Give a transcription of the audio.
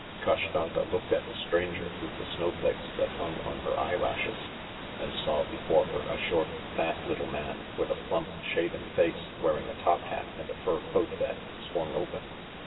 Kashtanka looked at the stranger through the snow flakes that hung on her eyelashes, and saw before her a short, fat little man, with a plump, shaven face wearing a top hat and a fur coat that swung open.